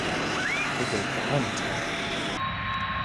Hug eh barrant er.